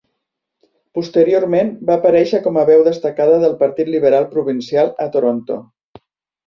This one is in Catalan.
Posteriorment va aparèixer com a veu destacada del Partit Liberal provincial a Toronto.